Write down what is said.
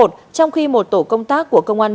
trong khi một tổ công tác của công an